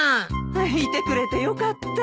いてくれてよかった。